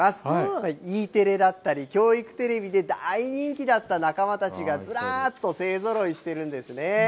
これ、Ｅテレだったり、教育テレビで大人気だった仲間たちが、ずらーっと勢ぞろいしてるんですね。